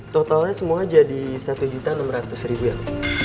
totalnya semua jadi satu enam ratus ya pak